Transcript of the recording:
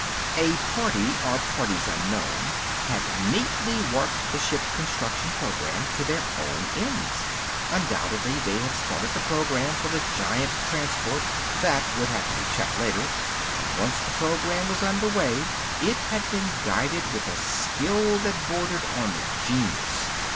A party or parties unknown had neatly warped the ship construction program to their own ends. Undoubtedly they had started the program for the giant transport, that would have to be checked later. And once the program was underway, it had been guided with a skill that bordered on genius.